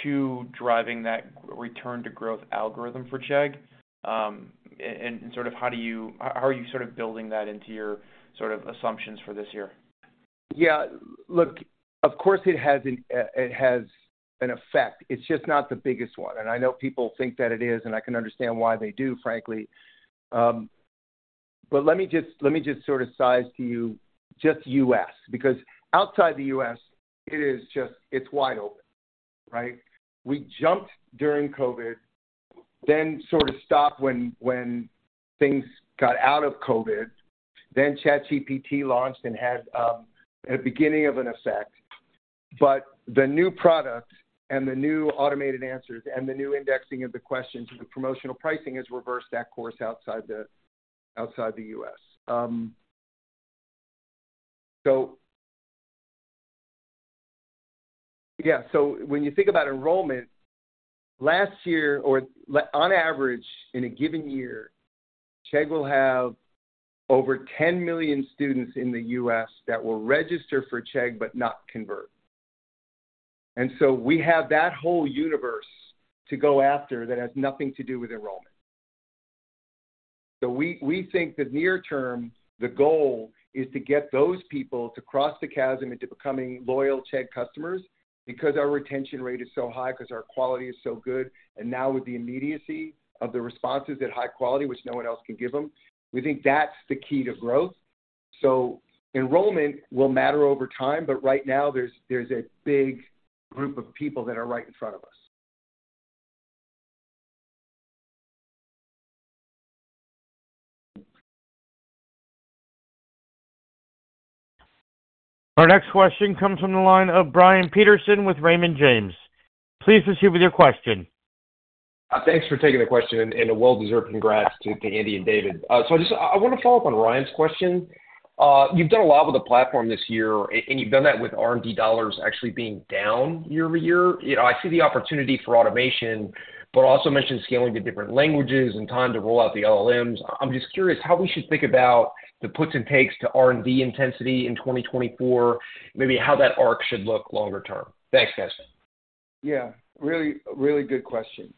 to driving that return to growth algorithm for Chegg? And sort of how do you- how are you sort of building that into your sort of assumptions for this year? Yeah, look, of course, it has an, it has an effect. It's just not the biggest one. And I know people think that it is, and I can understand why they do, frankly. But let me just, let me just sort of size to you, just U.S., because outside the U.S., it is just, it's wide open, right? We jumped during COVID, then sort of stopped when things got out of COVID, then ChatGPT launched and had, a beginning of an effect. But the new products and the new automated answers and the new indexing of the questions, the promotional pricing has reversed that course outside the, outside the U.S. So... Yeah, so when you think about enrollment, last year, or on average, in a given year, Chegg will have over 10 million students in the U.S. that will register for Chegg but not convert. And so we have that whole universe to go after that has nothing to do with the roll. So we think the near term, the goal is to get those people to cross the chasm into becoming loyal Chegg customers because our retention rate is so high, because our quality is so good, and now with the immediacy of the responses at high quality, which no one else can give them, we think that's the key to growth.... So enrollment will matter over time, but right now there's a big group of people that are right in front of us. Our next question comes from the line of Brian Peterson with Raymond James. Please proceed with your question. Thanks for taking the question, and a well-deserved congrats to Andy and David. So I wanna follow up on Ryan's question. You've done a lot with the platform this year, and you've done that with R&D dollars actually being down year over year. You know, I see the opportunity for automation, but also mentioned scaling to different languages and time to roll out the LLMs. I'm just curious how we should think about the puts and takes to R&D intensity in 2024, maybe how that arc should look longer term. Thanks, guys. Yeah, really, really good question.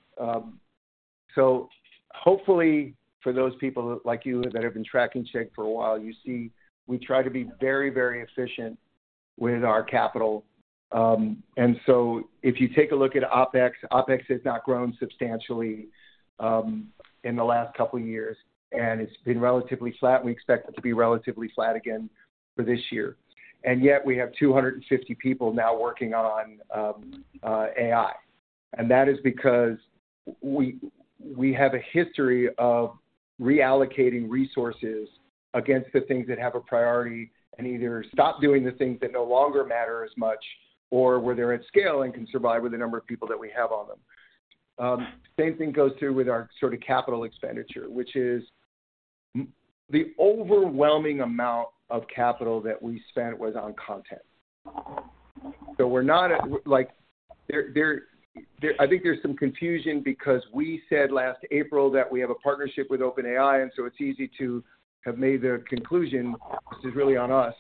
So hopefully for those people like you that have been tracking Chegg for a while, you see we try to be very, very efficient with our capital. And so if you take a look at OpEx, OpEx has not grown substantially in the last couple of years, and it's been relatively flat, and we expect it to be relatively flat again for this year. And yet we have 250 people now working on AI, and that is because we have a history of reallocating resources against the things that have a priority, and either stop doing the things that no longer matter as much or where they're at scale and can survive with the number of people that we have on them. Same thing goes through with our sort of capital expenditure, which is the overwhelming amount of capital that we spent was on content. So we're not at, like, there. I think there's some confusion because we said last April that we have a partnership with OpenAI, and so it's easy to have made the conclusion, this is really on us,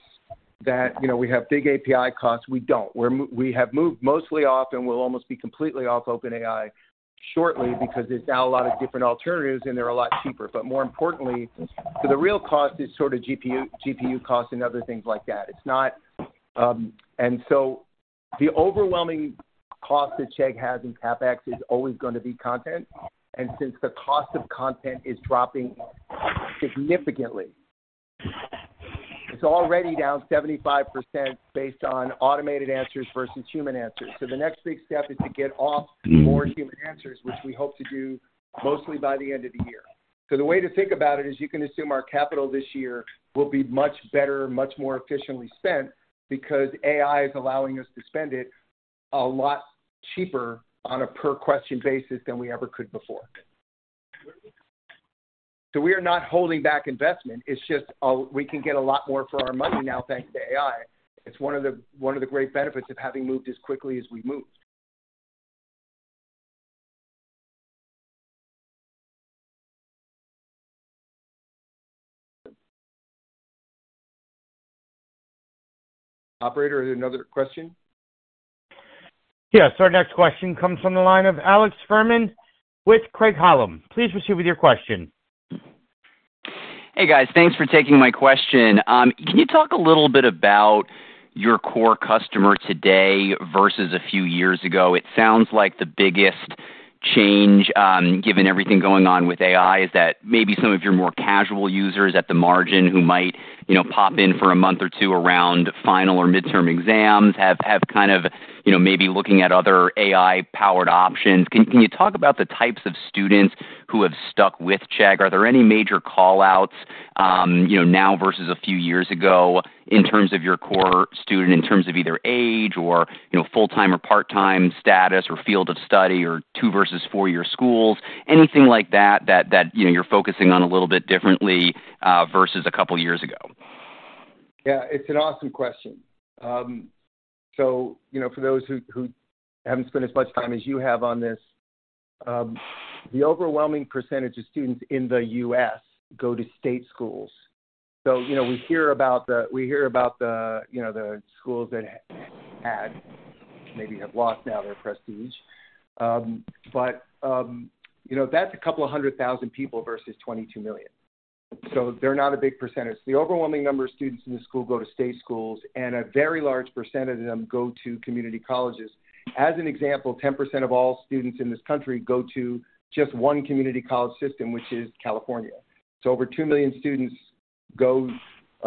that, you know, we have big API costs. We don't. We have moved mostly off, and we'll almost be completely off OpenAI shortly because there's now a lot of different alternatives, and they're a lot cheaper. But more importantly, so the real cost is sort of GPU costs and other things like that. It's not... And so the overwhelming cost that Chegg has in CapEx is always gonna be content, and since the cost of content is dropping significantly, it's already down 75% based on automated answers versus human answers. So the next big step is to get off more human answers, which we hope to do mostly by the end of the year. So the way to think about it is you can assume our capital this year will be much better, much more efficiently spent, because AI is allowing us to spend it a lot cheaper on a per-question basis than we ever could before. So we are not holding back investment. It's just, we can get a lot more for our money now, thanks to AI. It's one of the, one of the great benefits of having moved as quickly as we moved. Operator, is there another question? Yes. Our next question comes from the line of Alex Fuhrman with Craig-Hallum. Please proceed with your question. Hey, guys. Thanks for taking my question. Can you talk a little bit about your core customer today versus a few years ago? It sounds like the biggest change, given everything going on with AI, is that maybe some of your more casual users at the margin who might, you know, pop in for a month or two around final or midterm exams have kind of, you know, maybe looking at other AI-powered options. Can you talk about the types of students who have stuck with Chegg? Are there any major call-outs, you know, now versus a few years ago in terms of your core student, in terms of either age or, you know, full-time or part-time status or field of study or two versus four-year schools? Anything like that, you know, you're focusing on a little bit differently versus a couple of years ago? Yeah, it's an awesome question. So, you know, for those who haven't spent as much time as you have on this, the overwhelming percentage of students in the U.S. go to state schools. So, you know, we hear about the, you know, the schools that have, maybe, lost now their prestige. But, you know, that's a couple of hundred thousand people versus 22 million, so they're not a big percentage. The overwhelming number of students in the school go to state schools, and a very large percentage of them go to community colleges. As an example, 10% of all students in this country go to just one community college system, which is California. So over 2 million students go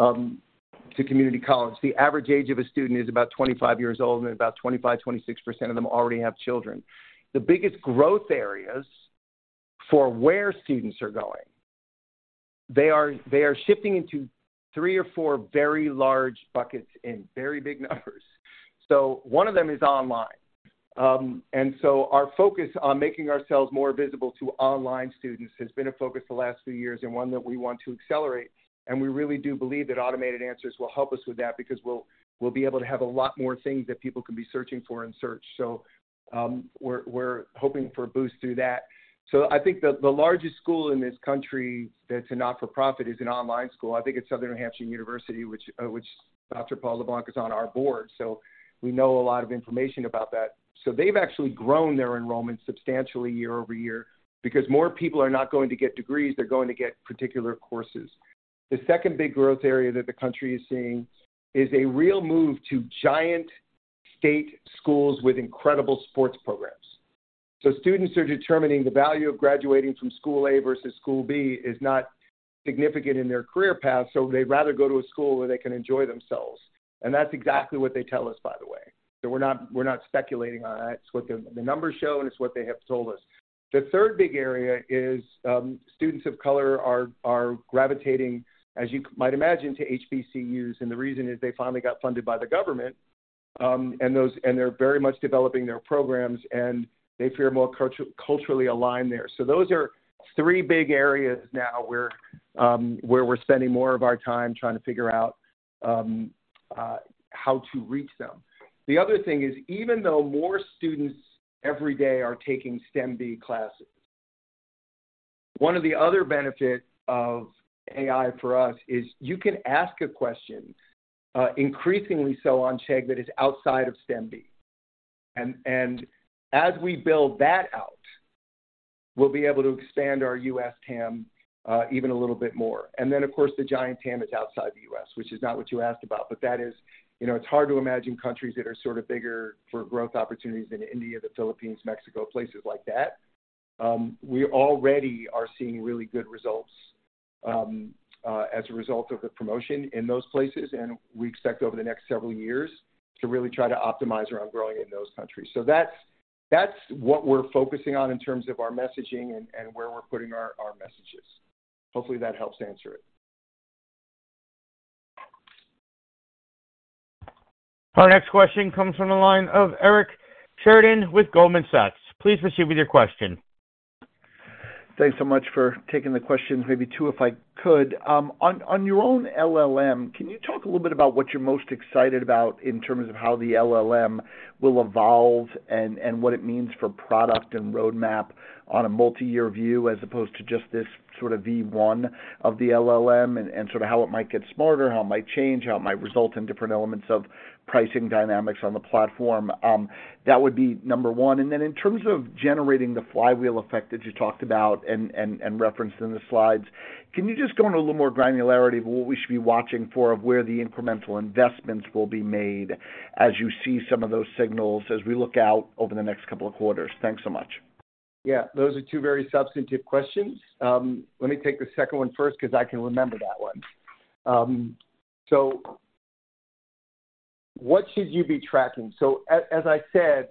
to community college. The average age of a student is about 25 years old, and about 25%-26% of them already have children. The biggest growth areas for where students are going, they are shifting into three or four very large buckets in very big numbers. So one of them is online. And so our focus on making ourselves more visible to online students has been a focus the last few years and one that we want to accelerate, and we really do believe that automated answers will help us with that because we'll be able to have a lot more things that people can be searching for in search. So we're hoping for a boost through that. So I think the largest school in this country that's a not-for-profit is an online school. I think it's Southern New Hampshire University, which Dr. Paul LeBlanc is on our board, so we know a lot of information about that. So they've actually grown their enrollment substantially year over year because more people are not going to get degrees, they're going to get particular courses. The second big growth area that the country is seeing is a real move to giant state schools with incredible sports programs. So students are determining the value of graduating from school A versus school B is not significant in their career path, so they'd rather go to a school where they can enjoy themselves. And that's exactly what they tell us, by the way. So we're not speculating on that. It's what the numbers show, and it's what they have told us. The third big area is, students of color are gravitating, as you might imagine, to HBCUs, and the reason is they finally got funded by the government. And they're very much developing their programs, and they feel more culturally aligned there. So those are three big areas now where we're spending more of our time trying to figure out how to reach them. The other thing is, even though more students every day are taking STEM-B classes, one of the other benefits of AI for us is you can ask a question, increasingly so on Chegg, that is outside of STEM-B. And as we build that out, we'll be able to expand our U.S. TAM, even a little bit more. And then, of course, the giant TAM is outside the U.S., which is not what you asked about, but that is, you know, it's hard to imagine countries that are sort of bigger for growth opportunities than India, the Philippines, Mexico, places like that. We already are seeing really good results as a result of the promotion in those places, and we expect over the next several years to really try to optimize around growing in those countries. So that's, that's what we're focusing on in terms of our messaging and, and where we're putting our, our messages. Hopefully, that helps answer it. Our next question comes from the line of Eric Sheridan with Goldman Sachs. Please proceed with your question. Thanks so much for taking the questions. Maybe two, if I could. On your own LLM, can you talk a little bit about what you're most excited about in terms of how the LLM will evolve and what it means for product and roadmap on a multi-year view, as opposed to just this sort of V1 of the LLM, and sort of how it might get smarter, how it might change, how it might result in different elements of pricing dynamics on the platform? That would be number one. And then in terms of generating the flywheel effect that you talked about and referenced in the slides, can you just go into a little more granularity of what we should be watching for, of where the incremental investments will be made as you see some of those signals as we look out over the next couple of quarters? Thanks so much. Yeah, those are two very substantive questions. Let me take the second one first, 'cause I can remember that one. So what should you be tracking? So as I said,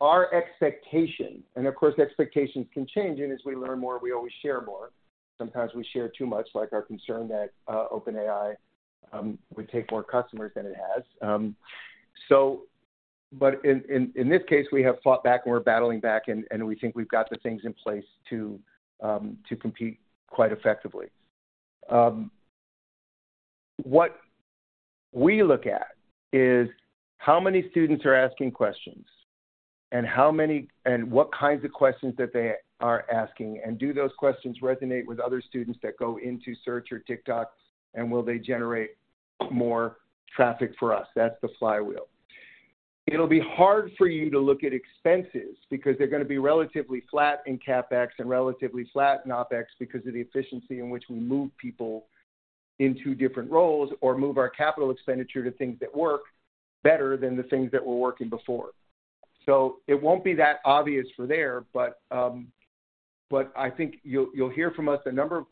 our expectation, and of course, expectations can change, and as we learn more, we always share more. Sometimes we share too much, like our concern that OpenAI would take more customers than it has. So but in this case, we have fought back and we're battling back, and we think we've got the things in place to compete quite effectively. What we look at is how many students are asking questions and how many and what kinds of questions that they are asking, and do those questions resonate with other students that go into search or TikTok, and will they generate more traffic for us? That's the flywheel. It'll be hard for you to look at expenses because they're gonna be relatively flat in CapEx and relatively flat in OpEx because of the efficiency in which we move people into different roles or move our capital expenditure to things that work better than the things that were working before. So it won't be that obvious for there, but I think you'll hear from us a number of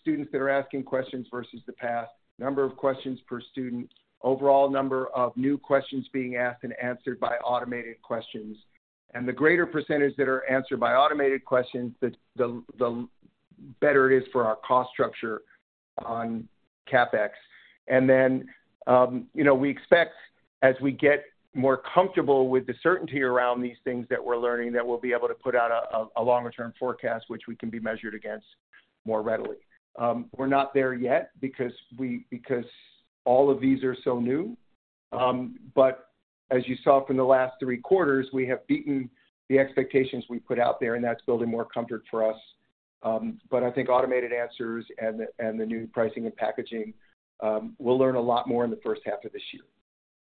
students that are asking questions versus the past, number of questions per student, overall number of new questions being asked and answered by automated questions. And the greater percentage that are answered by automated questions, the better it is for our cost structure on CapEx. And then, you know, we expect, as we get more comfortable with the certainty around these things that we're learning, that we'll be able to put out a longer-term forecast, which we can be measured against more readily. We're not there yet because all of these are so new. But as you saw from the last three quarters, we have beaten the expectations we put out there, and that's building more comfort for us. But I think automated answers and the new pricing and packaging, we'll learn a lot more in the first half of this year.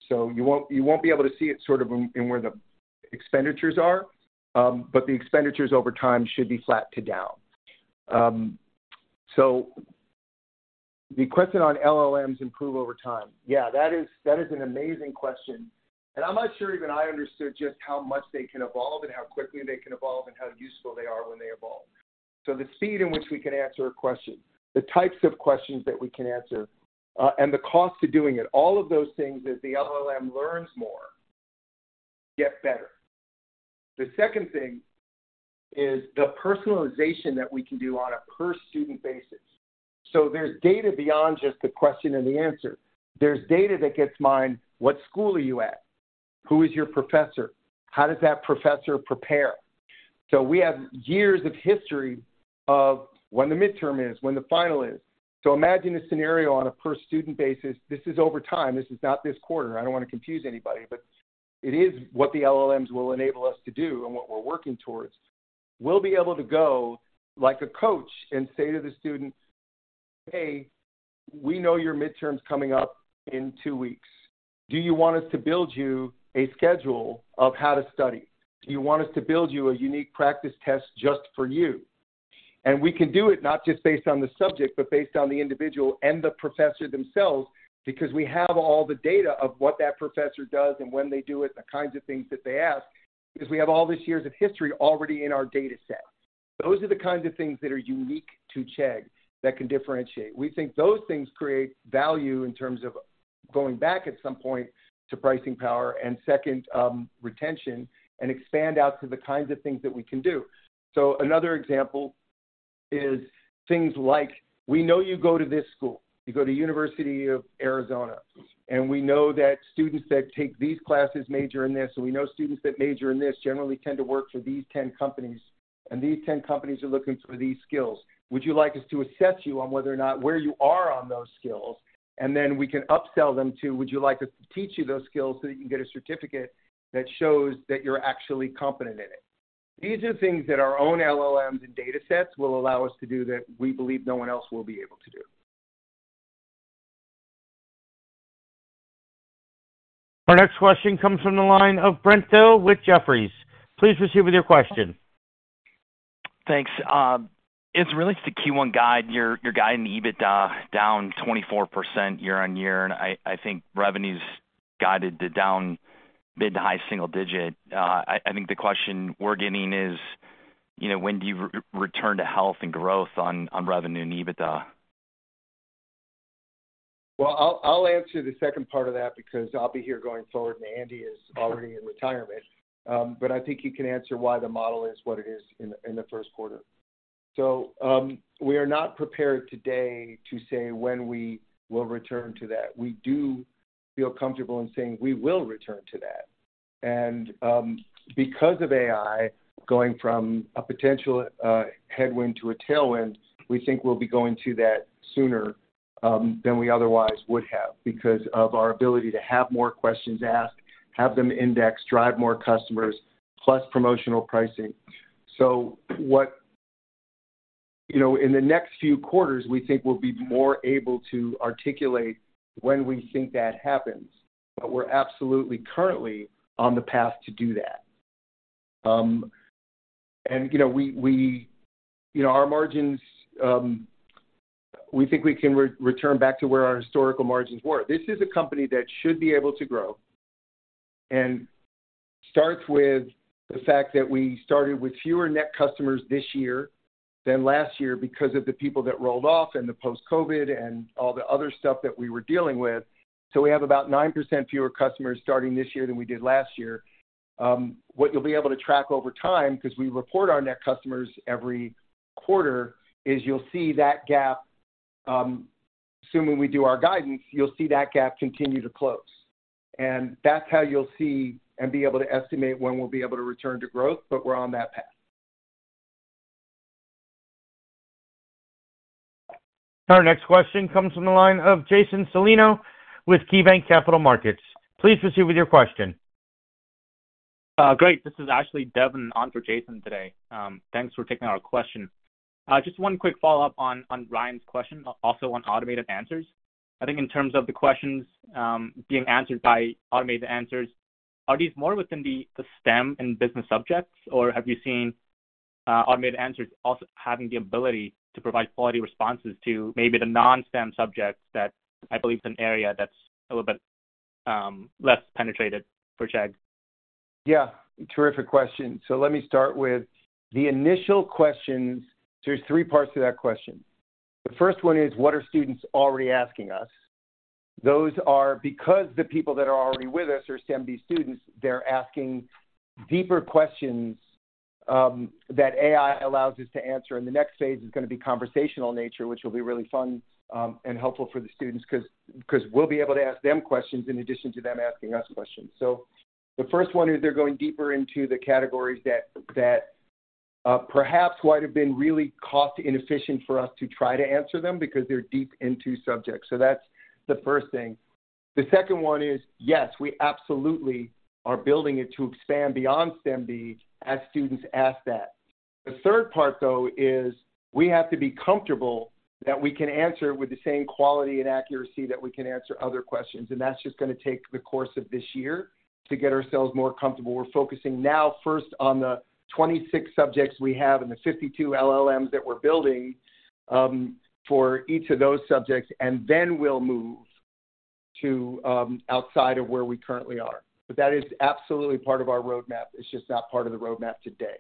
So you won't, you won't be able to see it sort of in where the expenditures are, but the expenditures over time should be flat to down. So the question on LLMs improve over time. Yeah, that is, that is an amazing question, and I'm not sure even I understood just how much they can evolve and how quickly they can evolve and how useful they are when they evolve. So the speed in which we can answer a question, the types of questions that we can answer, and the cost to doing it, all of those things, as the LLM learns more, get better. The second thing is the personalization that we can do on a per-student basis. So there's data beyond just the question and the answer. There's data that gets mined. What school are you at? Who is your professor? How does that professor prepare? So we have years of history of when the midterm is, when the final is. So imagine a scenario on a per-student basis. This is over time. This is not this quarter. I don't wanna confuse anybody, but it is what the LLMs will enable us to do and what we're working towards. We'll be able to go like a coach and say to the student: "Hey, we know your midterm's coming up in two weeks. Do you want us to build you a schedule of how to study? Do you want us to build you a unique practice test just for you?"... And we can do it not just based on the subject, but based on the individual and the professor themselves, because we have all the data of what that professor does and when they do it, the kinds of things that they ask, because we have all these years of history already in our data set. Those are the kinds of things that are unique to Chegg that can differentiate. We think those things create value in terms of going back at some point to pricing power and second, retention, and expand out to the kinds of things that we can do. So another example is things like, we know you go to this school, you go to University of Arizona, and we know that students that take these classes major in this, and we know students that major in this generally tend to work for these 10 companies, and these 10 companies are looking for these skills. Would you like us to assess you on whether or not where you are on those skills? And then we can upsell them to, would you like us to teach you those skills so that you can get a certificate that shows that you're actually competent in it? These are things that our own LLMs and datasets will allow us to do that we believe no one else will be able to do. Our next question comes from the line of Brent Thill with Jefferies. Please proceed with your question. Thanks. It's related to the Q1 guide. You're guiding EBITDA down 24% year-on-year, and I think revenues guided down mid- to high-single-digit. I think the question we're getting is, you know, when do you return to health and growth on revenue and EBITDA? Well, I'll answer the second part of that because I'll be here going forward, and Andy is already in retirement. But I think you can answer why the model is what it is in the first quarter. So, we are not prepared today to say when we will return to that. We do feel comfortable in saying we will return to that. And, because of AI going from a potential headwind to a tailwind, we think we'll be going to that sooner than we otherwise would have, because of our ability to have more questions asked, have them indexed, drive more customers, plus promotional pricing. You know, in the next few quarters, we think we'll be more able to articulate when we think that happens, but we're absolutely currently on the path to do that. And, you know, our margins, we think we can return back to where our historical margins were. This is a company that should be able to grow, and starts with the fact that we started with fewer net customers this year than last year because of the people that rolled off and the post-COVID and all the other stuff that we were dealing with. So we have about 9% fewer customers starting this year than we did last year. What you'll be able to track over time, 'cause we report our net customers every quarter, is you'll see that gap, assuming we do our guidance, you'll see that gap continue to close. That's how you'll see and be able to estimate when we'll be able to return to growth, but we're on that path. Our next question comes from the line of Jason Celino with KeyBanc Capital Markets. Please proceed with your question. Great. This is actually Devin on for Jason today. Thanks for taking our question. Just one quick follow-up on, on Ryan's question, also on automated answers. I think in terms of the questions, being answered by automated answers, are these more within the, the STEM and business subjects, or have you seen, automated answers also having the ability to provide quality responses to maybe the non-STEM subjects that I believe is an area that's a little bit, less penetrated for Chegg? Yeah, terrific question. So let me start with the initial questions. There's three parts to that question. The first one is, what are students already asking us? Those are because the people that are already with us are STEM students, they're asking deeper questions that AI allows us to answer, and the next phase is gonna be conversational nature, which will be really fun and helpful for the students 'cause, 'cause we'll be able to ask them questions in addition to them asking us questions. So the first one is they're going deeper into the categories that perhaps might have been really cost inefficient for us to try to answer them because they're deep into subjects. So that's the first thing. The second one is, yes, we absolutely are building it to expand beyond STEM as students ask that. The third part, though, is we have to be comfortable that we can answer with the same quality and accuracy that we can answer other questions, and that's just gonna take the course of this year to get ourselves more comfortable. We're focusing now first on the 26 subjects we have and the 52 LLMs that we're building, for each of those subjects, and then we'll move to, outside of where we currently are. But that is absolutely part of our roadmap. It's just not part of the roadmap today.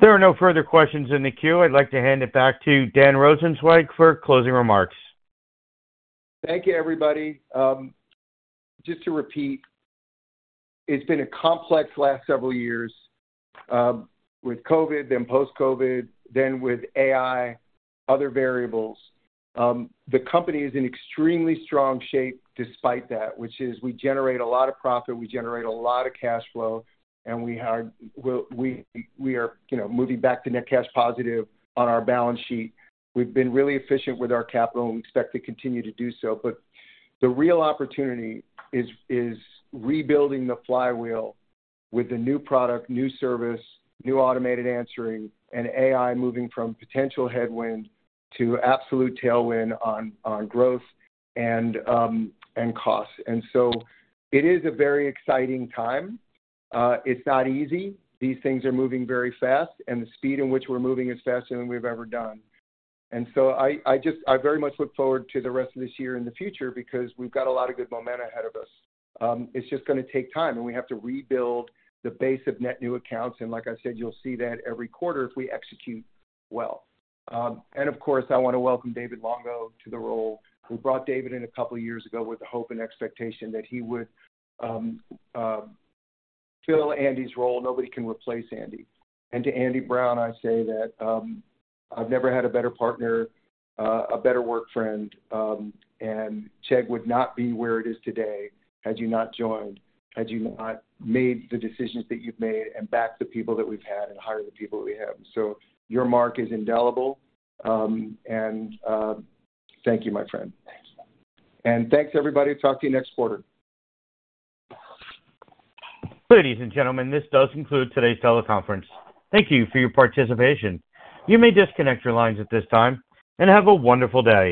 There are no further questions in the queue. I'd like to hand it back to Dan Rosensweig for closing remarks. Thank you, everybody. Just to repeat, it's been a complex last several years with COVID, then post-COVID, then with AI, other variables. The company is in extremely strong shape despite that, which is we generate a lot of profit, we generate a lot of cash flow, and we are, well, we, we are, you know, moving back to net cash positive on our balance sheet. We've been really efficient with our capital, and we expect to continue to do so. But the real opportunity is rebuilding the flywheel with the new product, new service, new automated answering, and AI moving from potential headwind to absolute tailwind on growth and costs. And so it is a very exciting time. It's not easy. These things are moving very fast, and the speed in which we're moving is faster than we've ever done. And so I just very much look forward to the rest of this year and the future because we've got a lot of good momentum ahead of us. It's just gonna take time, and we have to rebuild the base of net new accounts, and like I said, you'll see that every quarter if we execute well. And of course, I want to welcome David Longo to the role. We brought David in a couple of years ago with the hope and expectation that he would fill Andy's role. Nobody can replace Andy. And to Andy Brown, I say that, I've never had a better partner, a better work friend, and Chegg would not be where it is today had you not joined, had you not made the decisions that you've made and backed the people that we've had and hired the people that we have. So your mark is indelible, and, thank you, my friend. Thanks. And thanks, everybody. Talk to you next quarter. Ladies and gentlemen, this does conclude today's teleconference. Thank you for your participation. You may disconnect your lines at this time, and have a wonderful day.